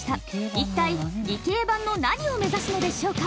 一体理系版の何を目指すのでしょうか？